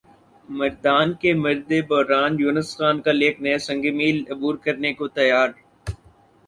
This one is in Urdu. مردان کےمرد بحران یونس خان کل ایک نیا سنگ میل عبور کرنے کو تیار